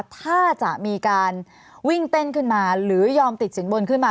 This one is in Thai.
ถ้าจะมีการวิ่งเต้นขึ้นมาหรือยอมติดสินบนขึ้นมา